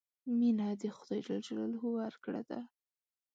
مینه د خدای ورکړه ده.